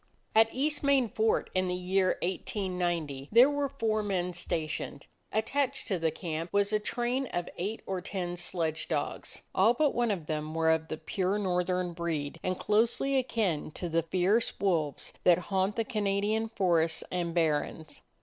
At East Main Fort in the year 189 there were four men stationed. Attached to the camp was a train of eight or ten sledge dogs; all but one of them were of the pure northern breed and closely akin to the fierce wolves that haunt the Canadian forests and barrens.